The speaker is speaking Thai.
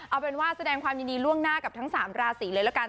เอาเป็นว่าแสดงความยินดีล่วงหน้ากับทั้ง๓ราศีเลยละกัน